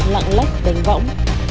lặng lách đánh võng